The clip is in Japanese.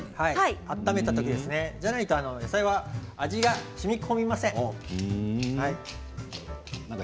じゃないと野菜は味がしみこみません。